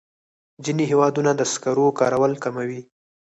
ځینې هېوادونه د سکرو کارول کموي.